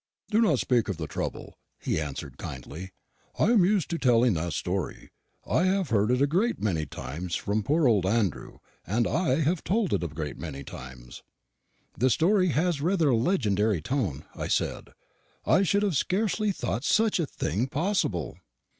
"Do not speak of the trouble," he answered kindly; "I am used to telling that story. I have heard it a great many times from poor old Andrew, and I have told it a great many times." "The story has rather a legendary tone," I said; "I should have scarcely thought such a thing possible."